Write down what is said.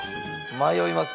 迷います